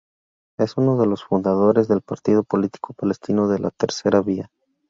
Es uno de los fundadores del partido político palestino La Tercera Vía.